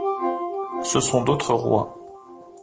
Ce sont d'autres rois.